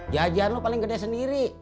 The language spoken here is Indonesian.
jajar lo paling gede sendiri